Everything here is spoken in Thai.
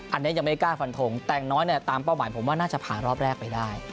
อันนี้ยังไม่กล้าฟันทงแต่อย่างน้อยเนี่ยตามเป้าหมายผมว่าน่าจะผ่านรอบแรกไปได้